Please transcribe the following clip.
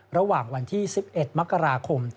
ระหว่างวันที่๑๑มกราคม